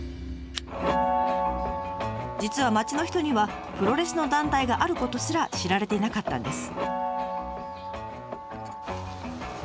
実は町の人にはプロレスの団体があることすら知られていなかったんです。